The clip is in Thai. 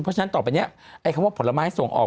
เพราะฉะนั้นต่อไปนี้ไอ้คำว่าผลไม้ส่งออก